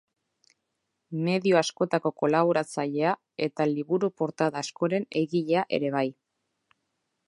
Medio askotako kolaboratzailea eta liburu-portada askoren egilea ere bai.